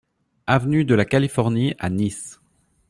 Avenue de la Californie à Nice